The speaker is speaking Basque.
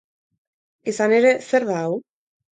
Izan ere, zer da hau?